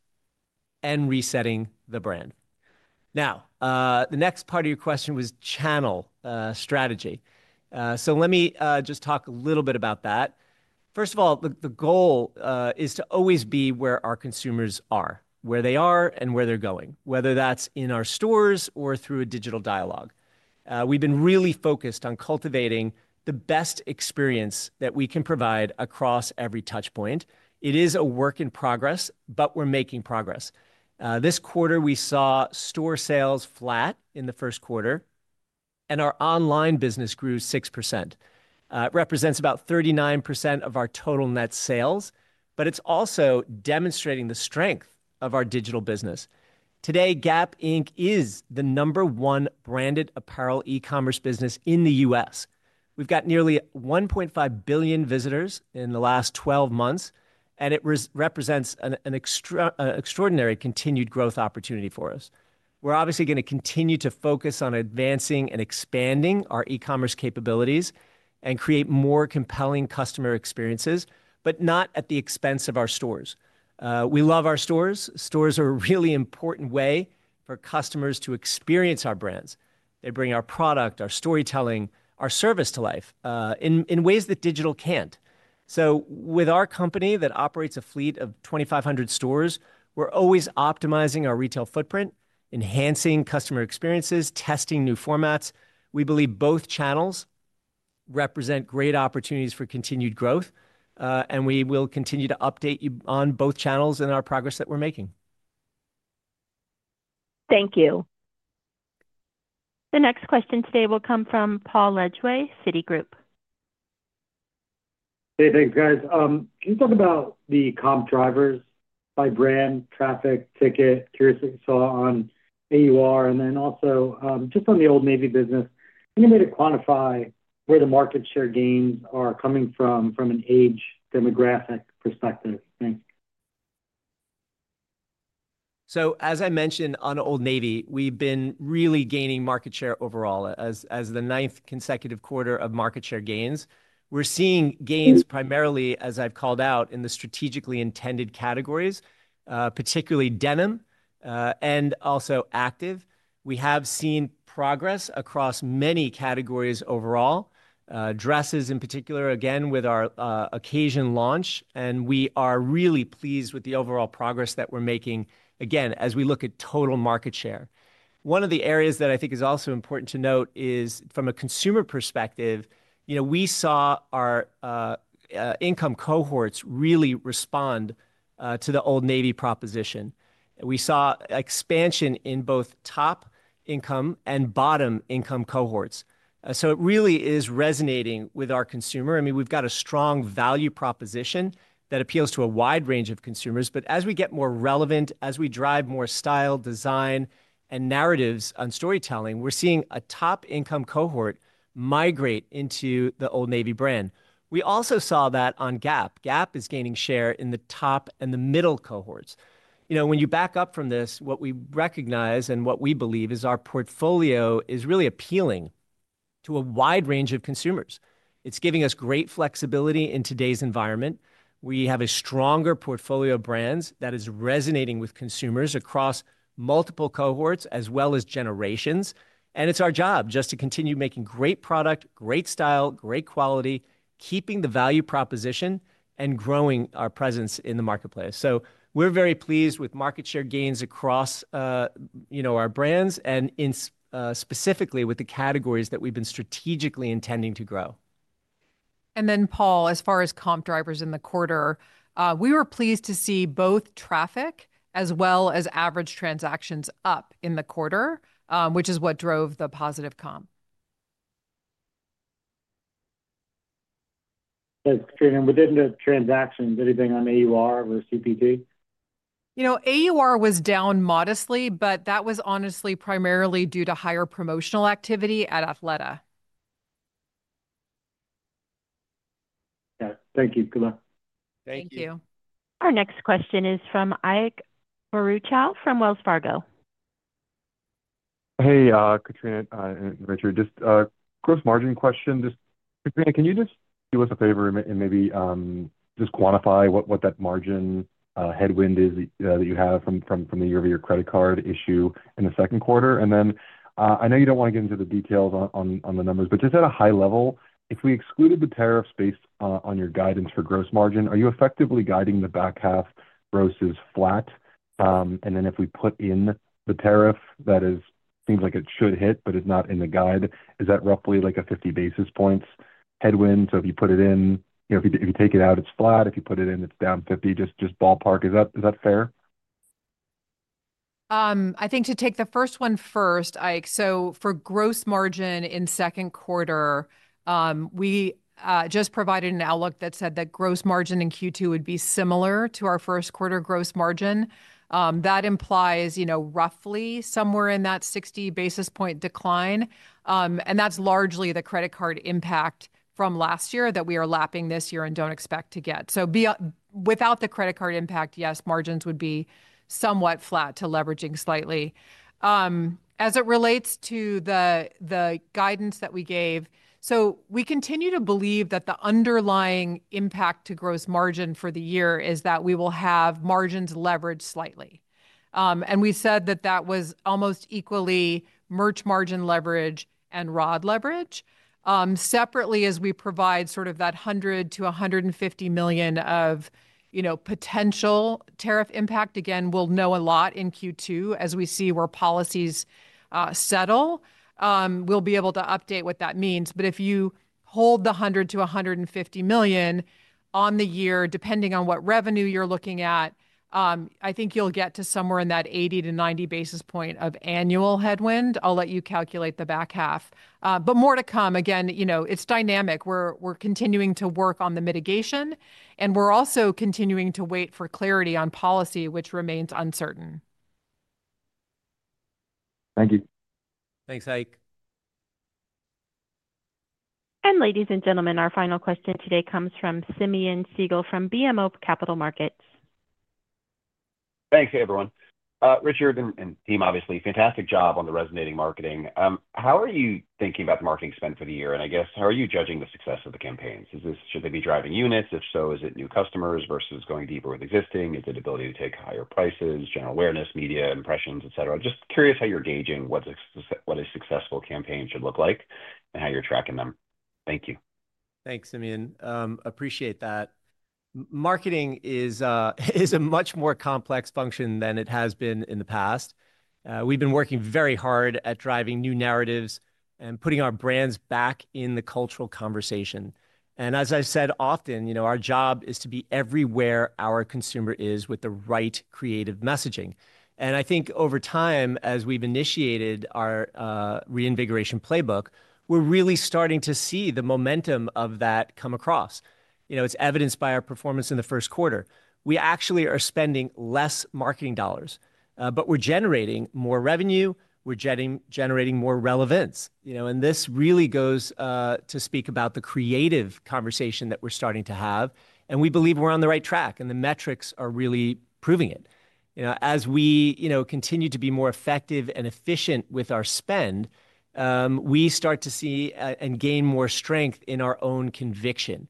and resetting the brand. The next part of your question was channel strategy. Let me just talk a little bit about that. First of all, the goal is to always be where our consumers are, where they are and where they are going, whether that is in our stores or through a digital dialogue. We have been really focused on cultivating the best experience that we can provide across every touchpoint. It is a work in progress, but we are making progress. This quarter, we saw store sales flat in the first quarter, and our online business grew 6%. It represents about 39% of our total net sales, but it's also demonstrating the strength of our digital business. Today, Gap Inc. is the number one branded apparel e-commerce business in the U.S. We've got nearly 1.5 billion visitors in the last 12 months, and it represents an extraordinary continued growth opportunity for us. We're obviously going to continue to focus on advancing and expanding our e-commerce capabilities and create more compelling customer experiences, but not at the expense of our stores. We love our stores. Stores are a really important way for customers to experience our brands. They bring our product, our storytelling, our service to life in ways that digital can't. With our company that operates a fleet of 2,500 stores, we're always optimizing our retail footprint, enhancing customer experiences, testing new formats. We believe both channels represent great opportunities for continued growth, and we will continue to update you on both channels and our progress that we're making. Thank you. The next question today will come from Paul Lejuez, Citigroup. Hey, thanks, guys. Can you talk about the comp drivers by brand, traffic, ticket, curious what you saw on AUR, and then also just on the Old Navy business? Can you maybe quantify where the market share gains are coming from from an age demographic perspective? Thanks. As I mentioned on Old Navy, we've been really gaining market share overall as the ninth consecutive quarter of market share gains. We're seeing gains primarily, as I've called out, in the strategically intended categories, particularly denim and also active. We have seen progress across many categories overall, dresses in particular, again, with our occasion launch. We are really pleased with the overall progress that we're making, again, as we look at total market share. One of the areas that I think is also important to note is from a consumer perspective, we saw our income cohorts really respond to the Old Navy proposition. We saw expansion in both top income and bottom income cohorts. It really is resonating with our consumer. I mean, we've got a strong value proposition that appeals to a wide range of consumers. As we get more relevant, as we drive more style, design, and narratives on storytelling, we're seeing a top income cohort migrate into the Old Navy brand. We also saw that on Gap. Gap is gaining share in the top and the middle cohorts. When you back up from this, what we recognize and what we believe is our portfolio is really appealing to a wide range of consumers. It's giving us great flexibility in today's environment. We have a stronger portfolio of brands that is resonating with consumers across multiple cohorts as well as generations. It's our job just to continue making great product, great style, great quality, keeping the value proposition, and growing our presence in the marketplace. We are very pleased with market share gains across our brands and specifically with the categories that we've been strategically intending to grow. Paul, as far as comp drivers in the quarter, we were pleased to see both traffic as well as average transactions up in the quarter, which is what drove the positive comp. Thanks, Trina. Within the transactions, anything on AUR or CPT? AUR was down modestly, but that was honestly primarily due to higher promotional activity at Athleta. Yeah. Thank you. Good luck. Thank you. Thank you. Our next question is from Ike Boruchow from Wells Fargo. Hey, Katrina and Richard. Just a gross margin question. Just, Katrina, can you just do us a favor and maybe just quantify what that margin headwind is that you have from the year-over-year credit card issue in the second quarter? I know you do not want to get into the details on the numbers, but just at a high level, if we excluded the tariffs based on your guidance for gross margin, are you effectively guiding the back half versus flat? If we put in the tariff that seems like it should hit, but it is not in the guide, is that roughly like a 50 basis points headwind? If you put it in, if you take it out, it's flat. If you put it in, it's down 50, just ballpark. Is that fair? I think to take the first one first, Ike, for gross margin in second quarter, we just provided an outlook that said that gross margin in Q2 would be similar to our first quarter gross margin. That implies roughly somewhere in that 60 basis point decline. That's largely the credit card impact from last year that we are lapping this year and do not expect to get. Without the credit card impact, yes, margins would be somewhat flat to leveraging slightly. As it relates to the guidance that we gave, we continue to believe that the underlying impact to gross margin for the year is that we will have margins leveraged slightly. We said that that was almost equally merch margin leverage and ROD leverage. Separately, as we provide sort of that $100 million-$150 million of potential tariff impact, again, we'll know a lot in Q2 as we see where policies settle. We'll be able to update what that means. If you hold the $100 million-$150 million on the year, depending on what revenue you're looking at, I think you'll get to somewhere in that 80-90 basis point annual headwind. I'll let you calculate the back half. More to come. Again, it's dynamic. We're continuing to work on the mitigation, and we're also continuing to wait for clarity on policy, which remains uncertain. Thank you. Thanks, Ike. Ladies and gentlemen, our final question today comes from Simeon Siegel from BMO Capital Markets. Thanks, everyone. Richard and team, obviously, fantastic job on the resonating marketing. How are you thinking about the marketing spend for the year? And I guess, how are you judging the success of the campaigns? Should they be driving units? If so, is it new customers versus going deeper with existing? Is it ability to take higher prices, general awareness, media impressions, etc.? Just curious how you're gauging what a successful campaign should look like and how you're tracking them. Thank you. Thanks, Simeon. Appreciate that. Marketing is a much more complex function than it has been in the past. We've been working very hard at driving new narratives and putting our brands back in the cultural conversation. As I've said often, our job is to be everywhere our consumer is with the right creative messaging. I think over time, as we've initiated our reinvigoration playbook, we're really starting to see the momentum of that come across. It's evidenced by our performance in the first quarter. We actually are spending less marketing dollars, but we're generating more revenue. We're generating more relevance. This really goes to speak about the creative conversation that we're starting to have. We believe we're on the right track, and the metrics are really proving it. As we continue to be more effective and efficient with our spend, we start to see and gain more strength in our own conviction.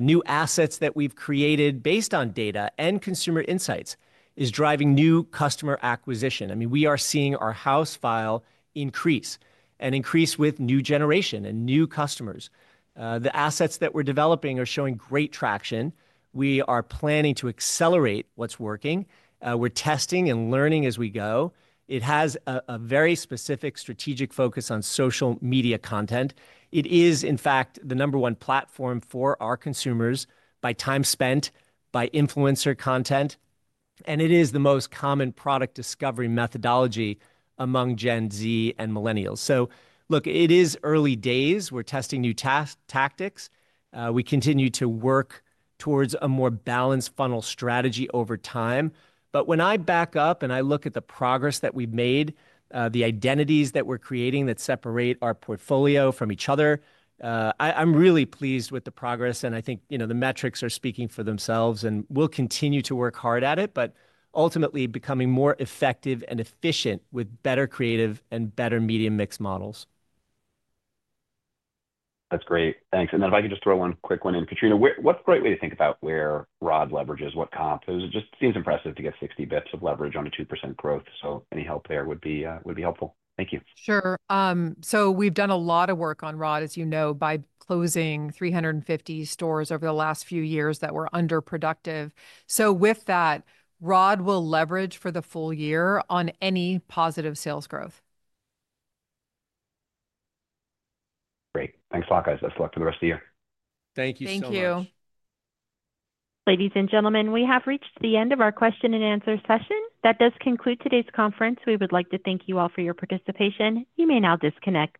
New assets that we've created based on data and consumer insights is driving new customer acquisition. I mean, we are seeing our house file increase and increase with new generation and new customers. The assets that we're developing are showing great traction. We are planning to accelerate what's working. We're testing and learning as we go. It has a very specific strategic focus on social media content. It is, in fact, the number one platform for our consumers by time spent, by influencer content. It is the most common product discovery methodology among Gen Z and millennials. Look, it is early days. We're testing new tactics. We continue to work towards a more balanced funnel strategy over time. When I back up and I look at the progress that we've made, the identities that we're creating that separate our portfolio from each other, I'm really pleased with the progress. I think the metrics are speaking for themselves, and we'll continue to work hard at it, ultimately becoming more effective and efficient with better creative and better medium mix models. That's great. Thanks. If I could just throw one quick one in, Katrina, what's a great way to think about where ROD leverages, what comp? Because it just seems impressive to get 60 basis points of leverage on a 2% growth. Any help there would be helpful. Thank you. Sure. We've done a lot of work on ROD, as you know, by closing 350 stores over the last few years that were underproductive. With that, ROD will leverage for the full year on any positive sales growth. Great. Thanks a lot, guys. Let's look for the rest of the year. Thank you so much. Thank you. Ladies and gentlemen, we have reached the end of our question-and-answer session. That does conclude today's conference. We would like to thank you all for your participation. You may now disconnect.